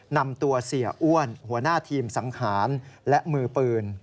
นำตัวเสียอ้วนหัวหน้าทีมสังหารและมือปืน